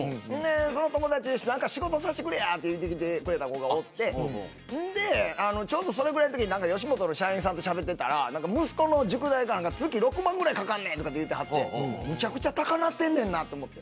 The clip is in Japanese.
その友達、仕事をさしてくれやと言ってきてくれてちょうどそのぐらいのとき吉本の社員さんとしゃべっていたら息子の塾代が月６万円ぐらいかかると言ってはってむちゃくちゃ高くなってんねんなと思って。